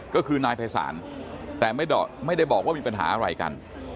ก็คือนายภัยศาลแต่ไม่ได้บอกว่ามีปัญหาอะไรกัน